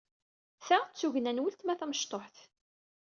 Ta d tugna n weltma tamecṭuḥt.